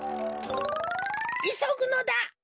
いそぐのだ！